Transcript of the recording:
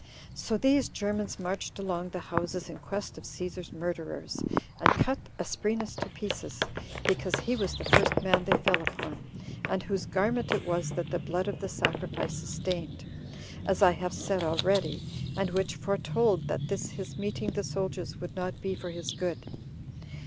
So these Germans marched along the houses in quest of Cæsar's murderers, and cut Asprenas to pieces, because he was the first man they fell upon, and whose garment it was that the blood of the sacrifices stained, as I have said already, and which foretold that this his meeting the soldiers would not be for his good.